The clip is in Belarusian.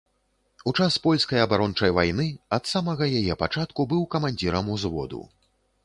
У час польскай абарончай вайны ад самага яе пачатку, быў камандзірам узводу.